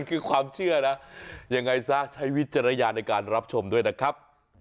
คือความเชื่อนะยังไงซะใช้วิจารณญาณในการรับชมด้วยนะครับ